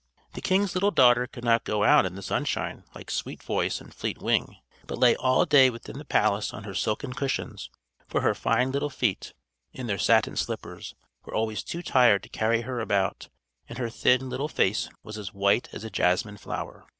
The king's little daughter could not go out in the sunshine like Sweet Voice and Fleet Wing, but lay all day within the palace on her silken cushions; for her fine little feet, in their satin slippers, were always too tired to carry her about, and her thin, little face was as white as a jasmine flower.